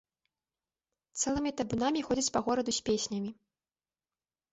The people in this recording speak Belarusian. Цэлымі табунамі ходзяць па гораду з песнямі.